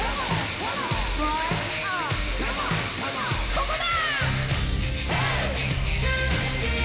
ここだ！